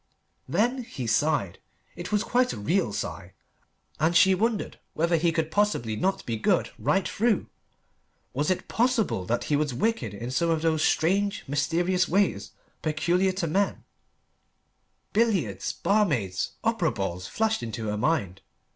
Then he sighed: it was quite a real sigh, and she wondered whether he could possibly not be good right through. Was it possible that he was wicked in some of those strange, mysterious ways peculiar to men: billiards barmaids opera balls flashed into her mind.